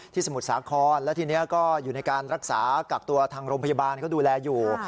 สมุทรสาครแล้วทีนี้ก็อยู่ในการรักษากักตัวทางโรงพยาบาลเขาดูแลอยู่